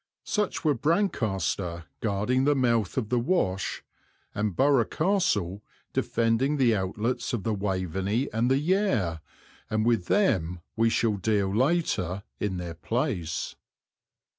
Such were Brancaster, guarding the mouth of the Wash, and Burgh Castle defending the outlets of the Waveney and the Yare, and with them we shall deal later, in their place.